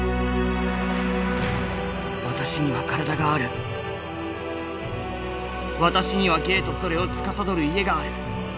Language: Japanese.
「私には身体がある私には芸とそれを司る家がある」。